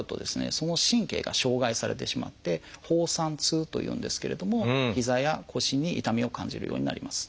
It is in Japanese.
その神経が傷害されてしまって「放散痛」というんですけれどもひざや腰に痛みを感じるようになります。